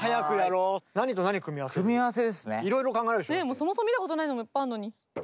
そもそも見たことないのもいっぱいあるのに。